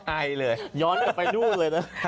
ไอเลยย้อนกลับไปนู่นเลยนะ